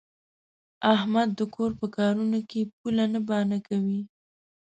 احمد د کور په کارونو کې پوله نه بانه کوي.